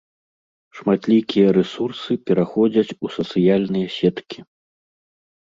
Шматлікія рэсурсы пераходзяць у сацыяльныя сеткі.